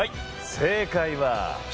正解は。